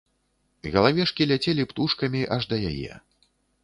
Галавешкі ляцелі птушкамі аж да яе.